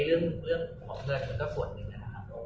เรื่องของเพื่อนมันก็ควรเป็นส่วนหนึ่งนะครับ